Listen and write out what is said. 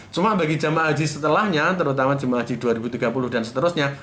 cuma bagi jemaah haji setelahnya terutama jemaah haji dua ribu tiga puluh dan seterusnya